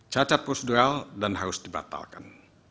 cacat prosedural dan harus dibatalkan